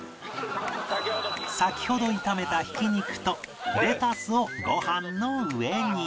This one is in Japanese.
先ほど炒めたひき肉とレタスをご飯の上に